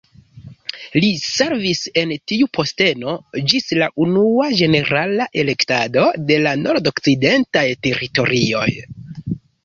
Li servis en tiu posteno ĝis la Unua ĝenerala elektado de la Nordokcidentaj Teritorioj.